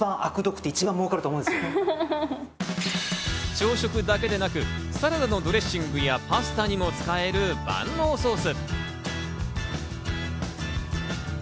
朝食だけでなく、サラダのドレッシングやパスタにも使える万能ソース。